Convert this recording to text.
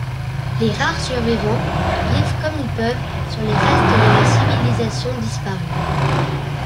Les rares survivants vivent comme ils peuvent sur les restes de la civilisation disparue.